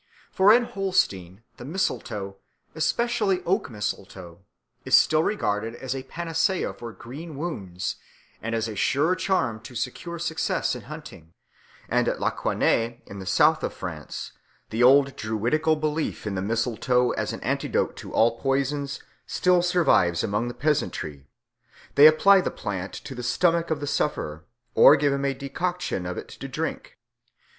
For in Holstein the mistletoe, especially oak mistletoe, is still regarded as a panacea for green wounds and as a sure charm to secure success in hunting; and at Lacaune, in the south of France, the old Druidical belief in the mistletoe as an antidote to all poisons still survives among the peasantry; they apply the plant to the stomach of the sufferer or give him a decoction of it to drink.